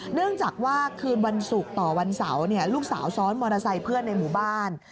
เนื่องจากว่าคืนวันศุกร์ต่อวันเสาร์ลูกสาวซ้อนมอเตอร์ไซค์เพื่อนในหมู่บ้าน